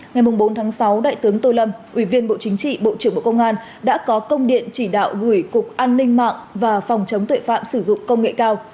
ngày bốn sáu đại tướng tô lâm ủy viên bộ chính trị bộ trưởng bộ công an đã có công điện chỉ đạo gửi cục an ninh mạng và phòng chống tuệ phạm sử dụng công nghệ cao